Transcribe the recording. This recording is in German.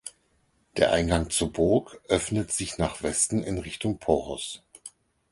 Der Eingang zur Burg öffnet sich nach Westen in Richtung Poros.